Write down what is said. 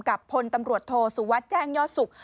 กับภนตำรวจโทสุวัฒน์แจ้งยอดศุกร์